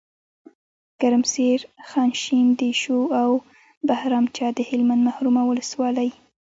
ګرمسیر، خانشین، دیشو او بهرامچه دهلمند محرومه ولسوالۍ